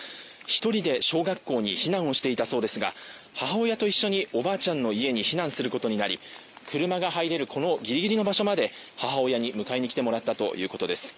１人で小学校に避難をしていたそうですが母親と一緒におばあちゃんの家に避難することになり、車が入れるこのギリギリの場所まで母親に迎えに来てもらったということです。